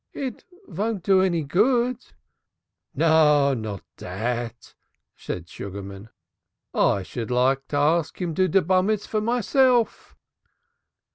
"It won't do any good." "No, not dat," said Sugarman. "I should like to ask him to de Confirmation myself."